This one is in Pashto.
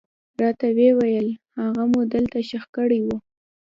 راته ويې ويل هغه مو دلته ښخ کړى و.